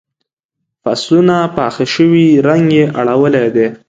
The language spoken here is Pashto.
فصلونه پاخه شوي رنګ یې اړولی دی.